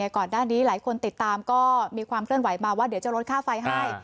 ก่อนหน้านี้หลายคนติดตามก็มีความเคลื่อนไหวมาว่าเดี๋ยวจะลดค่าไฟให้